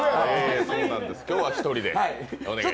今日は１人で、お願いします。